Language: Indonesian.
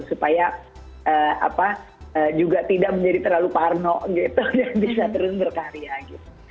supaya juga tidak menjadi terlalu parno gitu yang bisa terus berkarya gitu